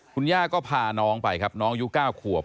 คุณย่าก็พาน้องไปครับน้องอายุ๙ขวบ